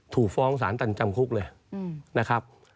ถูกฟ้องสารตันจำคุกเลยนะครับ